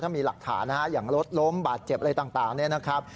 ถ้ามีหลังค์สาอย่างรถล้มบาดเจ็บอะไรต่างนะครับ